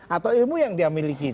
atau ilmu yang dia miliki